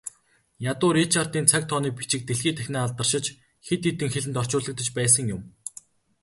Ядуу Ричардын цаг тооны бичиг дэлхий дахинаа алдаршиж, хэд хэдэн хэлэнд орчуулагдаж байсан юм.